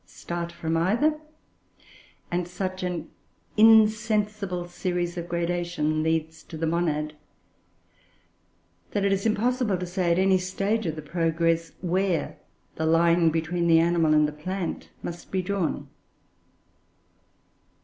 Start from either, and such an insensible series of gradations leads to the monad that it is impossible to say at any stage of the progress where the line between the animal and the plant must be drawn.